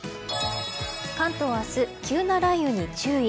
関東明日、急な雷雨に注意。